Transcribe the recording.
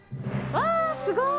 わー、すごい。